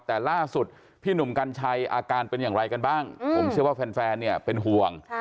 แต่ล่าสุดพี่หนุ่มกัญชัยอาการเป็นอย่างไรกันบ้างผมเชื่อว่าแฟนเนี่ยเป็นห่วง